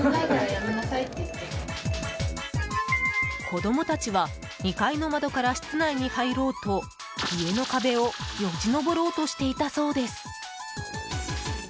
子供たちは２階の窓から室内に入ろうと家の壁をよじ登ろうとしていたそうです。